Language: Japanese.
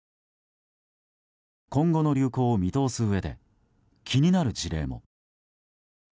今後の流行を見通すうえで気になる事例も。